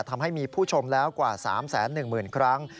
ทำให้มีผู้ชมแล้วกว่า๓๑๐๐๐ครั้ง